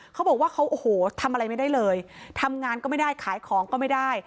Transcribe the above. เขาบอกว่าเขาโอ้โหทำอะไรไม่ได้เลยทำงานก็ไม่ได้ขายของก็ไม่ได้